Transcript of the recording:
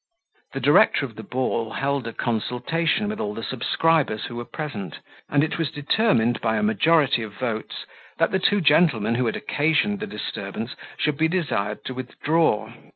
The director of the ball held a consultation with all the subscribers who were present; and it was determined, by a majority of votes, that the two gentlemen who had occasioned the disturbance should be desired to withdraw.